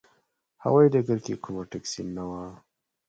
هوايي ډګر کې کومه ټکسي نه وه.